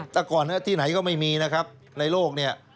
แต่ก่อนที่ไหนก็ไม่มีนะครับในโลกเนี่ย